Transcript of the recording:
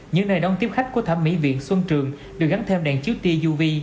những nơi đón tiếp khách của thảm mỹ viện xuân trường được gắn thêm đèn chiếu tia uv